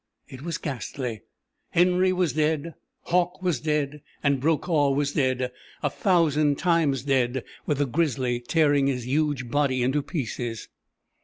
It was ghastly. Henry was dead. Hauck was dead. And Brokaw was dead a thousand times dead with the grizzly tearing his huge body into pieces.